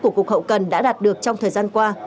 của cục hậu cần đã đạt được trong thời gian qua